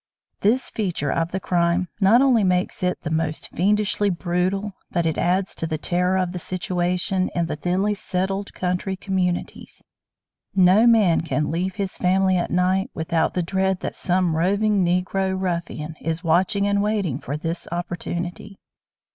This feature of the crime not only makes it the most fiendishly brutal, but it adds to the terror of the situation in the thinly settled country communities. No man can leave his family at night without the dread that some roving Negro ruffian is watching and waiting for this opportunity.